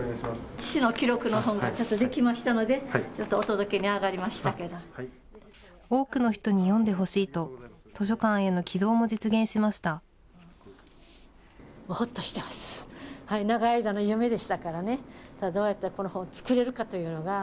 父の記録の本が出来ましたので、ちょっとお届けにあがりまし多くの人に読んでほしいと、図書館への寄贈も実現しました。